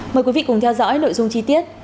mời quý vị cùng theo dõi nội dung chi tiết